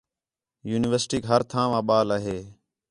یونیورسٹیک ہر تھاں واں ٻال آہے